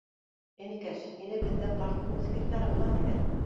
— Энекәш, һине беҙҙә парткум секретары була, тиҙәр